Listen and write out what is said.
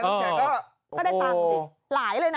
ก็ได้ตังค์มากอะไรนะ